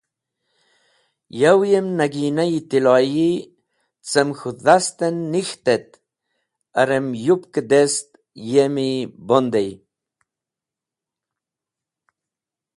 Yow yem nagina-e tiloyi cem k̃hũ dhast en nik̃hit et arem yupk dest yemi bondey.